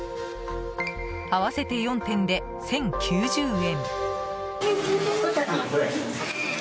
合わせて４点で１０９０円。